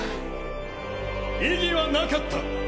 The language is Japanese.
異議はなかった！